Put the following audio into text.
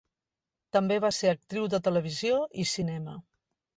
També va ser actriu de televisió i cinema.